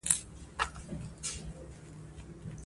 جي پي ایس کوای شي د تکوتنیکي پلیټو او ماتو حرکت پیدا کړي